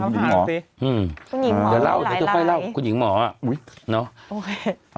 คุณหญิงหมอหลายเดี๋ยวค่อยเล่าคุณหญิงหมออ่ะอุ๊ยเนาะ